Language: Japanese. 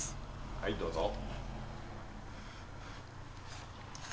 はいどうぞ。